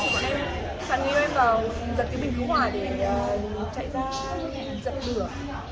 thì bọn em sàn nghiêm em vào giật cái bình cứu hỏa để chạy ra giật lửa